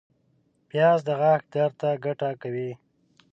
پیاز د غاښ درد ته ګټه کوي